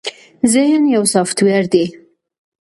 ذهن يو سافټ وئېر دے